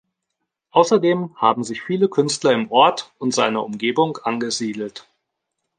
Außerdem haben sich viele Künstler im Ort und seiner Umgebung angesiedelt.